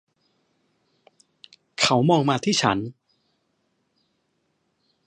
เขามองมาที่ฉัน.